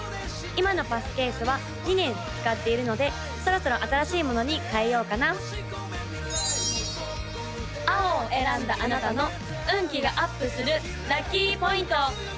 今のパスケースは２年使っているのでそろそろ新しいものに替えようかな青を選んだあなたの運気がアップするラッキーポイント！